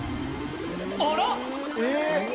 あら！？